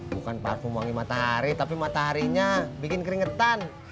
bukan parfum wangi matahari tapi mataharinya bikin keringetan